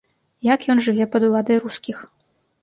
Як ён жыве пад уладай рускіх?